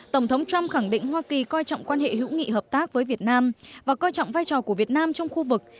tổng thống trump khẳng định hoa kỳ coi trọng quan hệ hữu nghị hợp tác với việt nam và coi trọng vai trò của việt nam trong khu vực